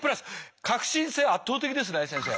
革新性圧倒的ですね先生。